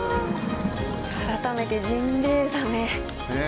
改めてジンベエザメ。